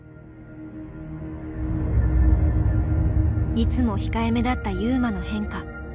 いつも控えめだった優真の変化。